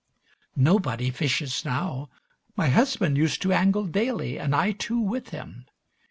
Nobody fishes now, my husband used To angle daily, and I too with him.